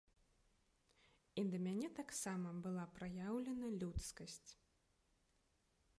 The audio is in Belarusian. І да мяне таксама была праяўлена людскасць.